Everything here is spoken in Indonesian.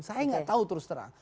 saya nggak tahu terus terang